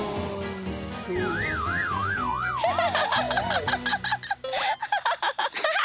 ハハハハ。